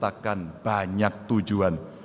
bisa menciptakan banyak tujuan